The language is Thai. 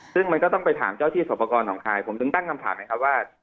ซึ่งมันก็ต้องไปถามเจ้าที่สอบประกอบหนองคายผมถึงตั้งคำถามไงครับว่า